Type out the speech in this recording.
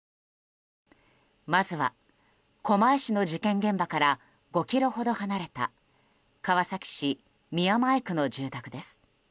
まずは狛江市の事件現場から５ｋｍほど離れた川崎市宮前区の住宅です。